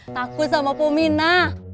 takut sama pumina